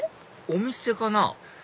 お店かな？